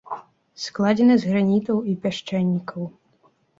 Складзены з гранітаў і пясчанікаў.